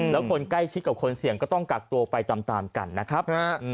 แล้วคนใกล้ชิดกับคนเสี่ยงก็ต้องกักตัวไปตามกันนะครับ